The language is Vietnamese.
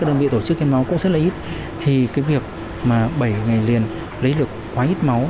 đơn vị tổ chức yên máu cũng rất là ít thì việc bảy ngày liền lấy được quá ít máu